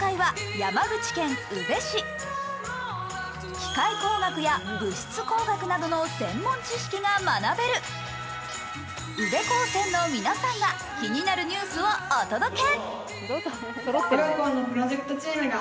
機械工学や物質工学などの専門知識が学べる宇部高専の皆さんが気になるニュースをお届け。